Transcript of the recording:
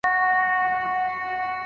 ټولنیز رفتار تر انفرادي رفتار مهم دی.